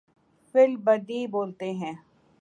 فی البدیہہ بولتے ہیں۔